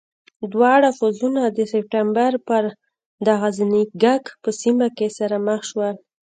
دواړه پوځونه د سپټمبر پر د غزنيګک په سیمه کې سره مخامخ شول.